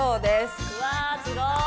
うわすごーい。